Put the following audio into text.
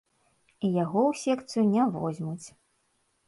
І яго ў секцыю не возьмуць.